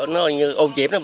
nó như ô nhiễm